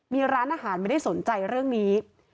มีร้านอาหารไม่ได้สนใจเรื่องนี้